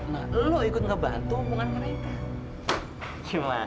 nah lo ikut ngebantu omongan mereka